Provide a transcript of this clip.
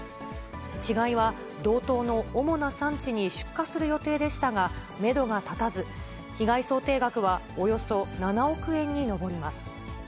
稚貝は、道東の主な産地に出荷する予定でしたが、メドが立たず、被害想定額はおよそ７億円に上ります。